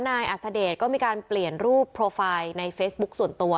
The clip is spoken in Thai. อัศเดชก็มีการเปลี่ยนรูปโปรไฟล์ในเฟซบุ๊คส่วนตัว